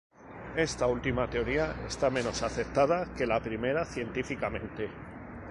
Esta última teoría está menos aceptada que la primera científicamente.